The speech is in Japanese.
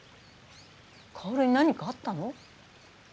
かおるに何かあったの？